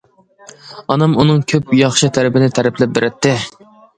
ئانام ئۇنىڭ كۆپ ياخشى تەرىپىنى تەرىپلەپ بېرەتتى.